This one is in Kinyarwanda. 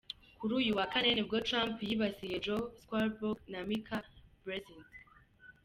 Kuri uyu wa Kane nibwo Trump yibasiye Joe Scarborough na Mika Brzezinski.